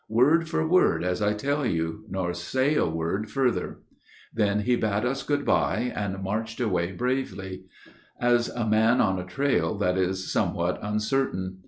Word for word as I tell you, nor say a word further." Then he bade us good by, and marched away bravely, As a man on a trail that is somewhat uncertain.